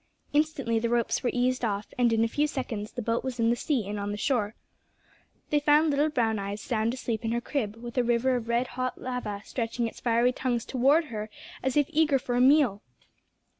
Instantly the ropes were eased off, and in a few seconds the boat was in the sea and on the shore. They found little Brown eyes sound asleep in her crib, with a river of red hot lava stretching its fiery tongues towards her as if eager for a meal!